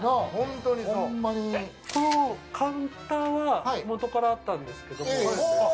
このカウンターは元からあったんですけど。